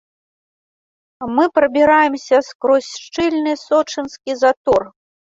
Мы прабіраемся скрозь шчыльны сочынскі затор.